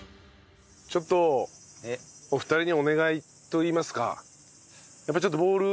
ちょっとお二人にお願いといいますか。